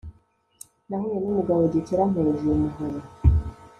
Nahuye numugabo Gikeli ampereza uyu muhoro